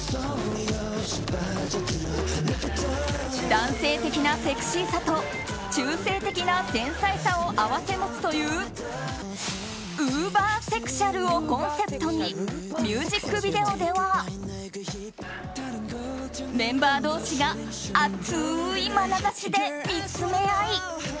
男性的なセクシーさと中性的な繊細さを併せ持つというウーバーセクシュアルをコンセプトにミュージックビデオではメンバー同士が熱いまなざしで見つめ合い